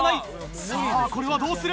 さぁこれはどうする？